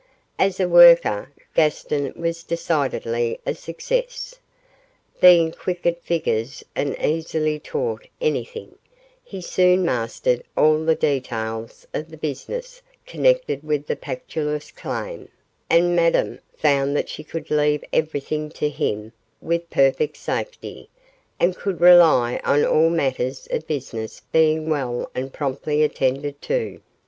As a worker, Gaston was decidedly a success. Being quick at figures and easily taught anything, he soon mastered all the details of the business connected with the Pactolus claim, and Madame found that she could leave everything to him with perfect safety, and could rely on all matters of business being well and promptly attended to.